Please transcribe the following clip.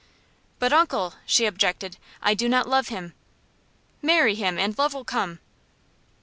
"But, uncle," she objected, "I do not love him." "Marry him, and love will come."